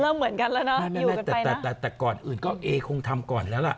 เริ่มเหมือนกันแหละนะแต่แกก่อนอื่นเอคงทำก่อนแหละ